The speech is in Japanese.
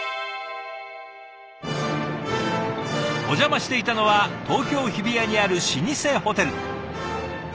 お邪魔していたのは東京・日比谷にある老舗ホテル。